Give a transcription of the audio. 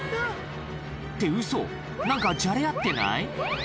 ってウソ何かじゃれ合ってない？